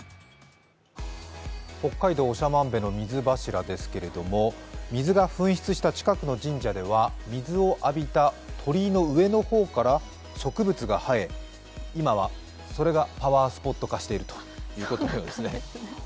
北海道長万部の水柱ですけれども水が噴出した近くの神社では水を浴びた鳥居の上の方から植物が生え今はそれがパワースポット化しているようです。